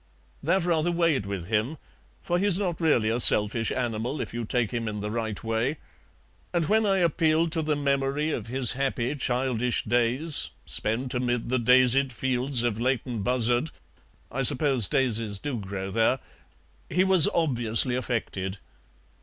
That rather weighed with him, for he's not really a selfish animal, if you take him in the right way, and when I appealed to the memory of his happy childish days, spent amid the daisied fields of Leighton Buzzard (I suppose daisies do grow there), he was obviously affected.